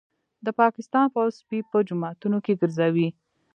د پاکستان پوځ سپي په جوماتونو کي ګرځوي